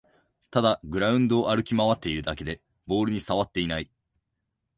ただグラウンドを歩き回ってるだけでボールにさわっていない